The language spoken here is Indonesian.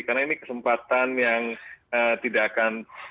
karena ini kesempatan yang tidak akan